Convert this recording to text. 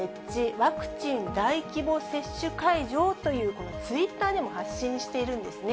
ワクチン大規模接種会場という、ツイッターでも発信しているんですね。